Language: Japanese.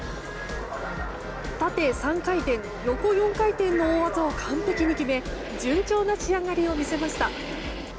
縦３回転、横４回転の大技を完璧に決め順調な仕上がりを見せました。